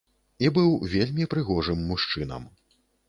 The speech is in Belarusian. І быў вельмі прыгожым мужчынам.